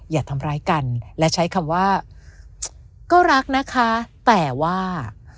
อย่าทำร้ายกันและใช้คำว่าก็รักนะคะแต่ว่า